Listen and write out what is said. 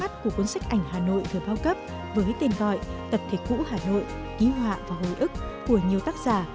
các hình ảnh của cuốn sách ảnh hà nội được bao cấp với tên gọi tập thể cũ hà nội ký họa và hồi ức của nhiều tác giả